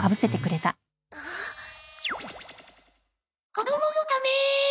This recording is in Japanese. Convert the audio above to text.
子供のため！